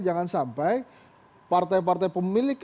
jangan sampai partai partai pemilik